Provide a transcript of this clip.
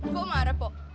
pok kok marah pok